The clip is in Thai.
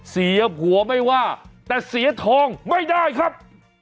เสียผัวไม่ว่าแต่เสียทองไม่ได้ครับ